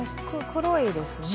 黒いですね。